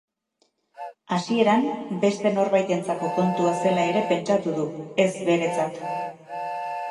Hasieran, beste norbaitentzako kontua zela ere pentsatu du, ez beretzat.